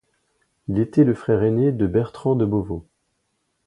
Il était le frère aîné de Bertrand de Beauvau.